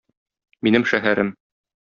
Минем шәһәрем.